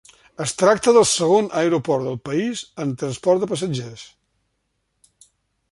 Es tracta del segon aeroport del país en transport de passatgers.